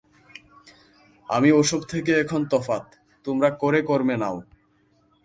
আমি ও-সব থেকে এখন তফাত, তোমরা করে-কর্মে নাও।